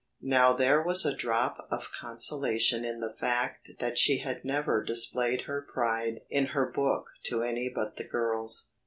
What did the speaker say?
Now there was a drop of consolation in the fact that she had never displayed her pride in her book to any but the girls.